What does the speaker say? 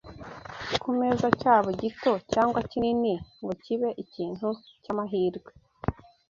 ku meza cyaba gito cyangwa kinini ngo kibe ikintu cy’amahirwe